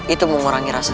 itu mengurangi rasa